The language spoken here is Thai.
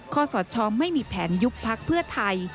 ข้อสอดชอบไม่มีแผนยุคภักษ์เพื่อไทย